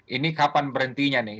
ini kapan berhentinya nih